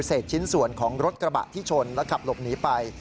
ชิ้นส่วนของรถกระบะที่ชนและขับหลบหนีไป